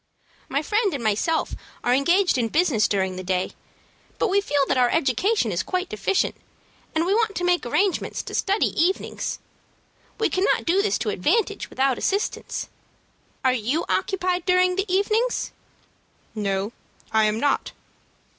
"My friend and myself are engaged in business during the day, but we feel that our education is quite deficient, and we want to make arrangements to study evenings. We cannot do this to advantage without assistance. Are you occupied during the evenings?" "No, I am not."